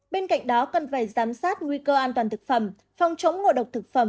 bên cạnh đó cần phải giám sát nguy cơ an toàn thực phẩm phòng chống ngộ độc thực phẩm